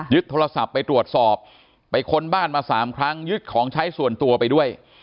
โทรศัพท์ไปตรวจสอบไปค้นบ้านมา๓ครั้งยึดของใช้ส่วนตัวไปด้วย